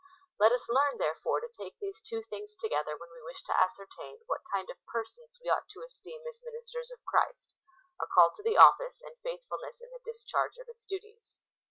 Let us learn, therefore, to take these two things together when we wish to ascertain what kind of persons we ought to esteem as ministers of Christ, — a call to the office, and faithfulness in the discharge of its duties.